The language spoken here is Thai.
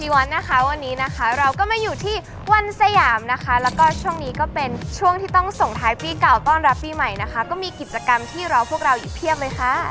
วันนี้นะคะเราก็มาอยู่ที่วันสยามนะคะแล้วก็ช่วงนี้ก็เป็นช่วงที่ต้องส่งท้ายปีเก่าต้อนรับปีใหม่นะคะก็มีกิจกรรมที่รอพวกเราอยู่เพียบเลยค่ะ